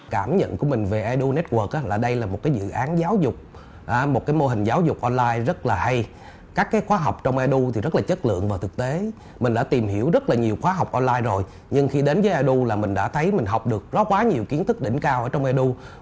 cảm nhận của mình về edunetwork là đây là một dự án giáo dục một mô hình giáo dục online rất là hay các khóa học trong edu thì rất là chất lượng và thực tế mình đã tìm hiểu rất là nhiều khóa học online rồi nhưng khi đến với edu là mình đã thấy mình học được quá nhiều kiến thức đỉnh cao ở trong edu